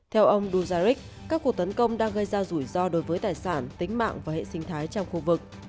theo ông duzaric các cuộc tấn công đang gây ra rủi ro đối với tài sản tính mạng và hệ sinh thái trong khu vực